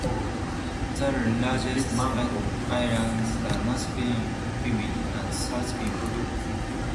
The largest islands are North Bimini and South Bimini.